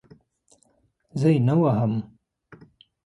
زه یې نه وهم.